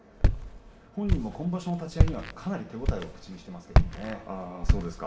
今場所の立ち合いには本人も手応えを口にしていますね。